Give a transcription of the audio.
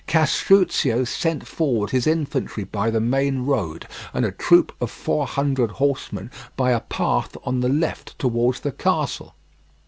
Castruccio sent forward his infantry by the main road, and a troop of four hundred horsemen by a path on the left towards the castle.